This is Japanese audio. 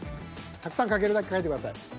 たくさん書けるだけ書いてください。